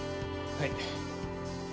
はい。